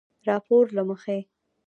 راپورله مخې